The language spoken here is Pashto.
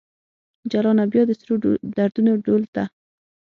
جلانه ! بیا د سرو دردونو ډول ته